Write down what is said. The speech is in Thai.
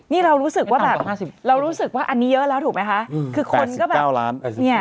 นี่เรารู้สึกว่าแบบเรารู้สึกว่าอันนี้เยอะแล้วถูกไหมคะคือคนก็แบบ๙ล้าน